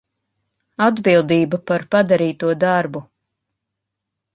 Atbildība par padarīto darbu